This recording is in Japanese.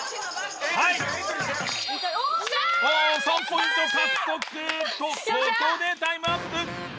３ポイント獲得！とここでタイムアップ！